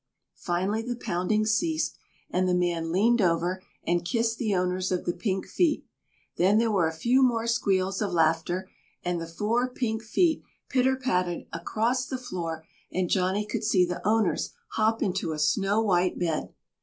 Finally the pounding ceased and the man leaned over and kissed the owners of the pink feet. Then there were a few more squeals of laughter, and the four pink feet pitter patted across the floor and Johnny could see the owners hop into a snow white bed.